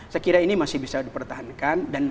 saya kira ini masih bisa dipertahankan